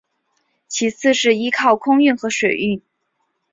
其次是依靠空运和水运。